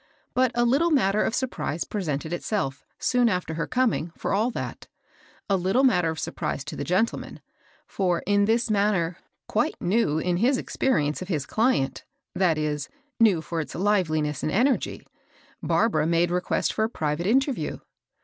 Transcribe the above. But a little matter of surprise presented itself, soon after her coming, for all that, — a little matter of surprise to the gentleman; for, in a manner quite new in his experience of his client, that is, new for its liveliness and energy, Barbara made request for a private interview.